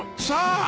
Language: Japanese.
さあ。